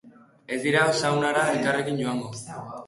Ez dira saunara elkarrekin joango.